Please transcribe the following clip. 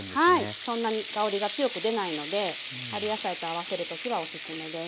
そんなに香りが強く出ないので春野菜と合わせる時はおすすめです。